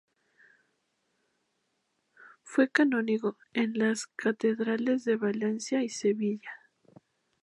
Fue canónigo en las catedrales de Valencia y Sevilla.